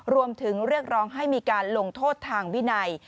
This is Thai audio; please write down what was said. เรียกร้องให้มีการลงโทษทางวินัย